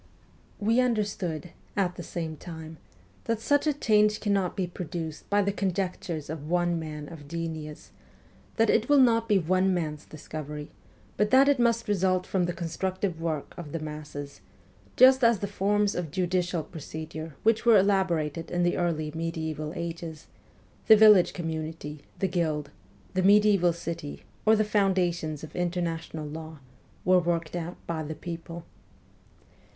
We understood, at the same time, that such a change cannot be produced by the conjectures of one man of genius, that it will not be one man's discovery, but that it must result from the constructive work of the masses, just as the forms of judicial procedure which were elaborated in the early mediaeval ages, the village com munity, the guild, the mediaeval city, or the foundations of international law, were worked out by the people.